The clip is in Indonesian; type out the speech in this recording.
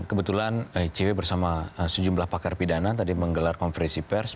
kebetulan icw bersama sejumlah pakar pidana tadi menggelar konferensi pers